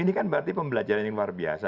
ini kan berarti pembelajaran yang luar biasa